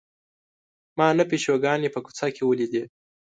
ما نهه پیشوګانې په کوڅه کې ولیدې.